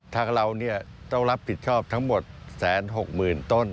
ทางเราต้องรับผิดชอบทั้งหมด๑๖๐๐๐ต้น